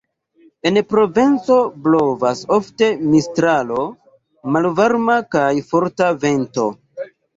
En Provenco blovas ofte Mistralo, malvarma kaj forta vento.